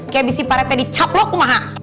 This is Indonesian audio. kayak bisik parete di cap lo kumaha